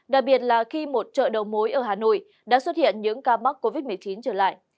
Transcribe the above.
đặc biệt là khi một chợ đầu mối ở hà nội đã xuất hiện những ca mắc covid một mươi chín trở lại